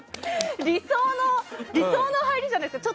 理想の入りじゃないですか。